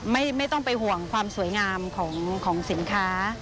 ไม่ต้องไปห่วงความสวยงามของสินค้า